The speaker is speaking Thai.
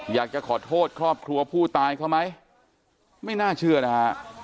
อยากจะขอโทษครอบครัวผู้ตายเขาไหมไม่น่าเชื่อนะฮะ